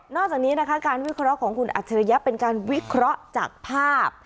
จากนี้นะคะการวิเคราะห์ของคุณอัจฉริยะเป็นการวิเคราะห์จากภาพ